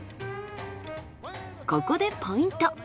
ここでポイント。